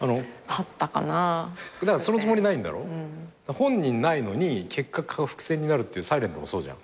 本人ないのに結果伏線になるっていう『ｓｉｌｅｎｔ』もそうじゃん。